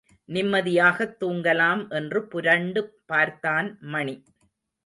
நிம்மதியாகத் தூங்கலாம் என்று புரண்டு பார்த்தான் மணி.